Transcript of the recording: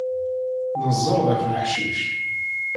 Neẓẓel ɣef leḥcic.